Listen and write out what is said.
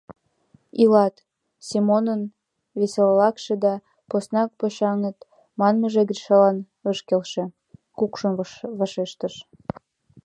— Илат, — Семонын веселалыкше да поснак «почаҥыт» манмыже Гришалан ыш келше, кукшын вашештыш.